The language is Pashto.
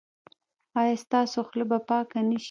ایا ستاسو خوله به پاکه نه شي؟